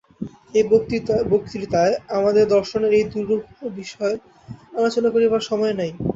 এই বক্তৃতায় আমাদের দর্শনের এই দুরূহ বিষয় আলোচনা করিবার সময় নাই।